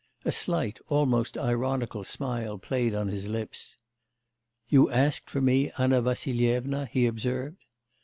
A slight almost ironical smile played on his lips. 'You asked for me, Anna Vassilyevna?' he observed.